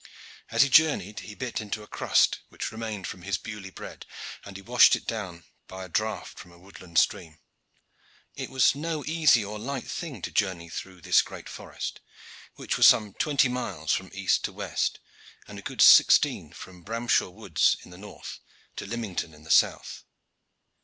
As he journeyed he bit into a crust which remained from his Beaulieu bread, and he washed it down by a draught from a woodland stream. It was no easy or light thing to journey through this great forest, which was some twenty miles from east to west and a good sixteen from Bramshaw Woods in the north to Lymington in the south.